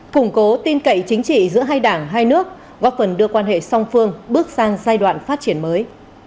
củng cố tin cậy chính trị giữa hai đảng hai nước góp phần đưa quan hệ song phương bước sang giai đoạn phát triển mới